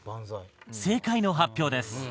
正解の発表です。